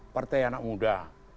partai anak muda